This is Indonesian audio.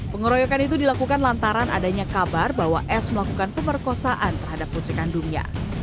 pengeroyokan itu dilakukan lantaran adanya kabar bahwa s melakukan pemerkosaan terhadap putri kandungnya